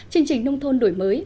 chương trình nông thuần đổi mới